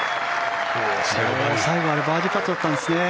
最後はバーディーパットだったんですね。